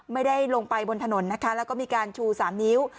ไม่ได้ลงไปบนถนนนะคะแล้วก็มีการชู๓นิ้ว